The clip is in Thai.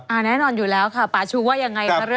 แน่นอนอยู่แล้วค่ะปาชุว่ายังไงกับเรื่องนี้